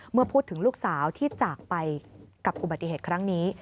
เมื่อพูดถึงลูกสาวที่จากไปกับอุบัติเหตุครั้งนี้